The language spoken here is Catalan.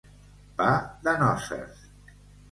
Pa de noces.